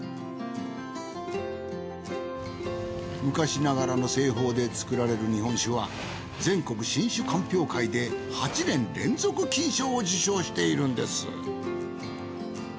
昔ながらの製法で作られる日本酒は全国新酒鑑評会で８年連続金賞を受賞しているんです。